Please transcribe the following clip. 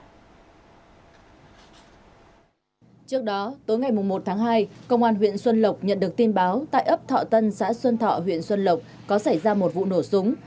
trước đó tối ngày một tháng hai công an huyện xuân lộc nhận được tin báo tại ấp thọ tân xã xuân thọ huyện xuân lộc có xảy ra một vụ nổ súng